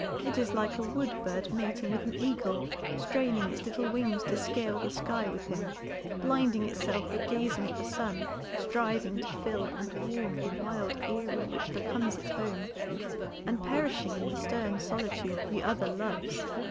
It is like a woodbird mating with an eagle, straining its little wings to scale the sky with him, blinding itself with gazing at the sun, striving to fill and warm the wild eyrie which becomes its home, and perishing in the stern solitude the other loves.